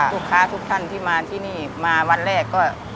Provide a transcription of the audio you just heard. ค่ะลูกค้าทุกท่านที่มาที่นี่มาวันแรกก็